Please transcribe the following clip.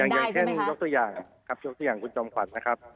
อย่างเช่นยกตัวอย่างคุณจอมขวัดนะครับ